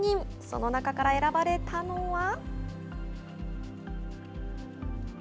その中から選ばれたのは。